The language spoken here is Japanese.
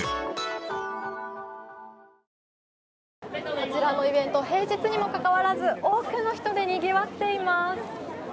あちらのイベント平日にもかかわらず多くの人でにぎわっています。